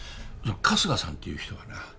春日さんっていう人がな